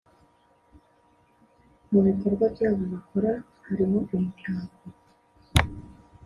Mu bikorwa byabo bakora harimo imitako